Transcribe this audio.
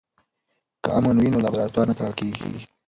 که امن وي نو لابراتوار نه تړل کیږي.